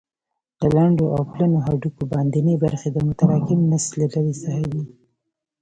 د لنډو او پلنو هډوکو باندنۍ برخې د متراکم نسج له ډلې څخه دي.